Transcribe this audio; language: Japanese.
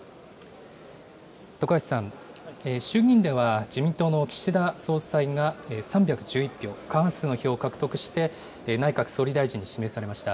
徳橋さん、衆議院では自民党の岸田総裁が３１１票、過半数の票を獲得して、内閣総理大臣に指名されました。